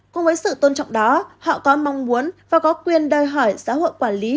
cùng với sự tôn trọng đó họ có mong muốn và có quyền đòi hỏi xã hội quản lý